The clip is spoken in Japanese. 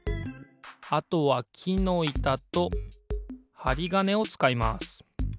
あとはきのいたとはりがねをつかいます。